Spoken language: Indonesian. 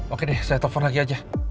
oke deh saya telepon lagi aja